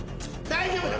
大丈夫だ！